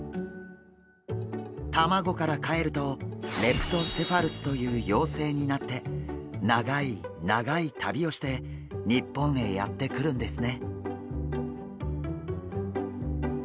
卵からかえるとレプトセファルスという幼生になって長い長い旅をして日本へやって来るんですね。